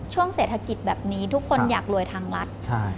ช่วงเศรษฐกิจแบบนี้ทุกคนอยากรวยทางรัฐ